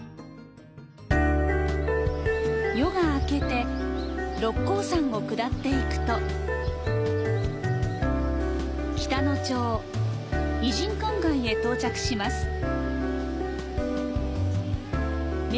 夜が明けて六甲山を下っていくと北野町、異人館街へ到着します。